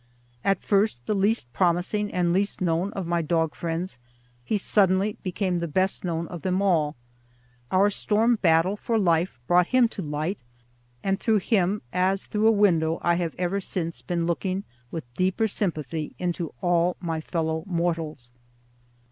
At first the least promising and least known of my dog friends, he suddenly became the best known of them all. Our storm battle for life brought him to light, and through him as through a window I have ever since been looking with deeper sympathy into all my fellow mortals.